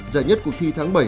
giải nhất cuộc thi tháng bảy